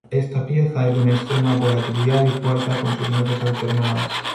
Esta pieza es de una extrema volatilidad y fuerza con sus notas alternadas.